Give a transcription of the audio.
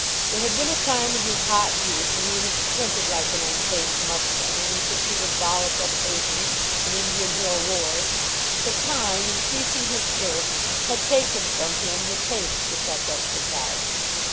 There had been a time in his hot youth when he had sprinted like an untamed mustang in pursuit of volatile Pathans in Indian hill wars, but Time, increasing his girth, had taken from him the taste for such exercise.